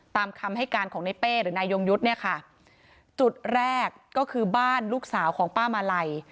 ตามคำให้การของในเป้หรือนายยงยุทธ์เนี่ยค่ะจุดแรกก็คือบ้านลูกสาวของป้ามาลัย